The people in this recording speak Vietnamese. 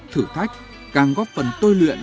thử thách càng góp phần tôi luyện